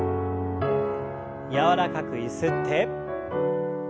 柔らかくゆすって。